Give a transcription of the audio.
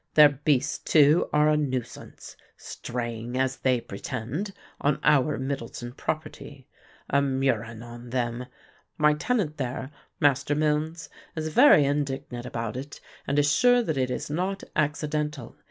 Their beasts too are a nuisance, straying, as they pretend, on our Middleton property. A murrain on them! My tenant there, Master Milnes, is very indignant about it and is sure that it is not accidental.